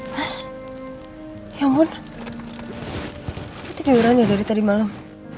mas ya ampun apa tiduran ya dari tadi malam